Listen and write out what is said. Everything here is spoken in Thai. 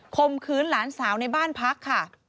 มขืนหลานสาวในบ้านพักค่ะ